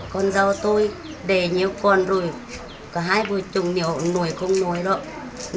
con giàu tôi đẻ nhiều con rồi cả hai bụi chồng nhiều nổi không nói lắm